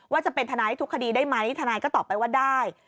ว่าจะเป็นธนายที่ถูกคดีได้ไหมธนายก็ตอบไปว่าได้